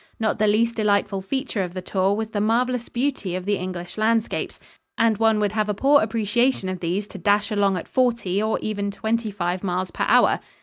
Not the least delightful feature of the tour was the marvelous beauty of the English landscapes, and one would have a poor appreciation of these to dash along at forty or even twenty five miles per hour.